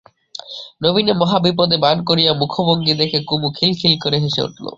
নবীনের মহা বিপদের ভান করা মুখভঙ্গি দেখে কুমু খিল খিল করে হেসে উঠল।